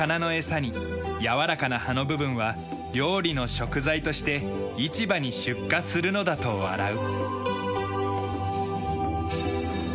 やわらかな葉の部分は料理の食材として市場に出荷するのだと笑う。